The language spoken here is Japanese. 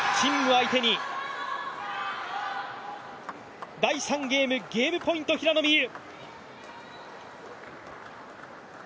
相手に、第３ゲームゲームポイント平野美宇。